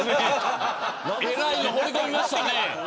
えらいの放り込みましたね。